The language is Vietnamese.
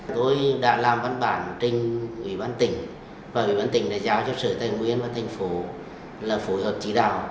tôi đã làm văn bản trên ủy ban tỉnh và ủy ban tỉnh đã giao cho sở tây nguyên và thành phố phù hợp chỉ đạo